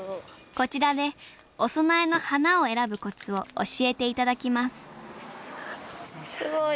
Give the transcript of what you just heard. こちらでお供えの花を選ぶコツを教えて頂きますすごい。